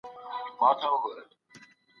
وخت یاري ور سره وکړه لوی مالدار سو